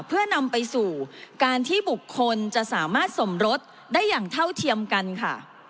เพื่อนำไปสู่การที่บุคคลจะสามารถสมรสได้อย่างเท่าเทียมกันค่ะ